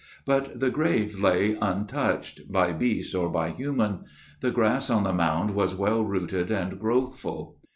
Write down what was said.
But the grave lay untouched, by beast or by human. The grass on the mound was well rooted and growthful.